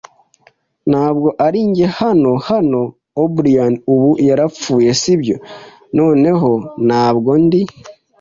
ntabwo ari njye. Hano hano O'Brien ubu - yarapfuye, sibyo? Noneho, ntabwo ndi